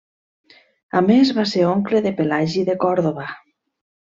A més, va ser oncle de Pelagi de Còrdova.